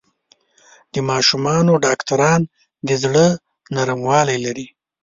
د ماشومانو ډاکټران د زړۀ نرموالی لري.